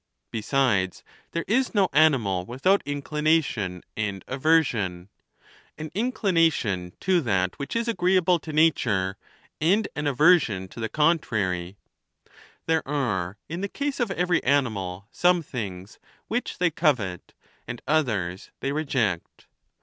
Besides, thei'e is no animal without inclination and aversion — an inclinar tion to that which is agreeable to nature, and an aversion to the contrary : there are in the case of every animal some things which they covet, and others they reject.